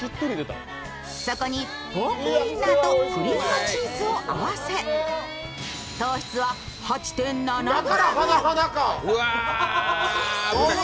そこにポークウインナーとクリームチーズを合わせ糖質は８．７ｇ。